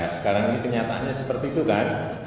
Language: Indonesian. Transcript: sekarang ini kenyataannya seperti itu kan